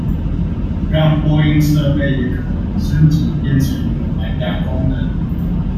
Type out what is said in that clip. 讓播音設備也可升級變成有藍芽功能